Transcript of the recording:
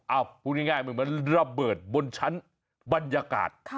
เอาพูดง่ายเหมือนมันระเบิดบนชั้นบรรยากาศ